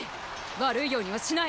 悪いようにはしない！